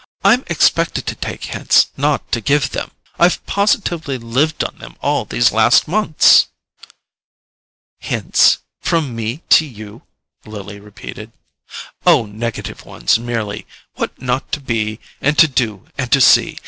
I'm expected to take hints, not to give them: I've positively lived on them all these last months." "Hints—from me to you?" Lily repeated. "Oh, negative ones merely—what not to be and to do and to see.